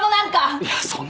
いやそんな事。